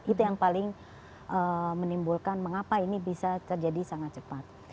itu yang paling menimbulkan mengapa ini bisa terjadi sangat cepat